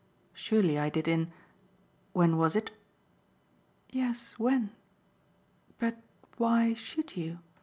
Surely I did in when was it?" "Yes, when? But why SHOULD you?"